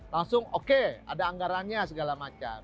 langsung oke ada anggarannya segala macam